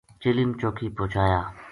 چلم چوکی پوہچایا